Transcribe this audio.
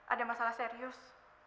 ada masalah serius